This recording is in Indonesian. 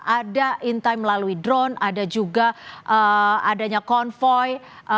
ada intime melalui drone ada juga adanya konvoy